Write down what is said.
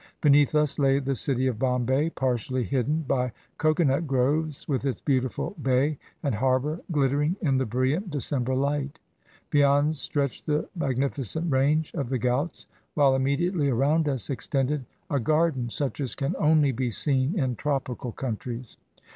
Beneath us lay the city of Bombay partially hidden by cocoanut groves, with its beautiful bay and harbor glittering in the brilliant December light. Beyond stretched the magnificent range of the Ghauts, while immediately around us extended a gar den, such as can only be seen in tropical countries.